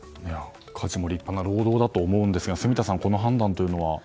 家事も立派な労働だと思うんですが住田さん、この判断というのは？